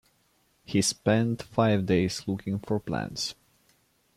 He spent five days looking for plants.